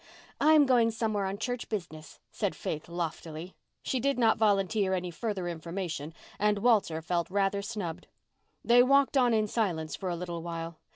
"I am going somewhere on church business," said Faith loftily. She did not volunteer any further information and Walter felt rather snubbed. They walked on in silence for a little while.